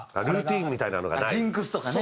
ジンクスとかね。